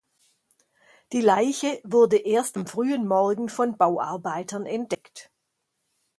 Die Leiche wurde erst am frühen Morgen von Bauarbeitern entdeckt.